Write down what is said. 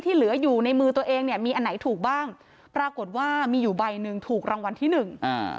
เหลืออยู่ในมือตัวเองเนี่ยมีอันไหนถูกบ้างปรากฏว่ามีอยู่ใบหนึ่งถูกรางวัลที่หนึ่งอ่า